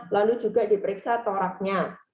lalu juga di periksa toraknya